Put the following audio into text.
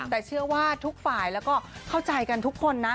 แต่เชื่อว่าทุกฝ่ายแล้วก็เข้าใจกันทุกคนนะ